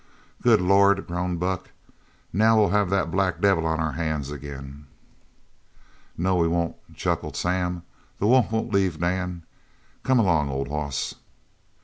"Good Lord," groaned Buck. "Now we'll have that black devil on our hands again." "No, we won't," chuckled Sam, "the wolf won't leave Dan. Come on along, old hoss."